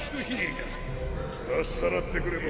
かっさらってくれば・・